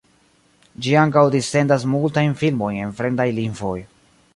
Ĝi ankaŭ dissendas multajn filmojn en fremdaj lingvoj.